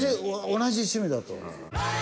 同じ趣味だと思う。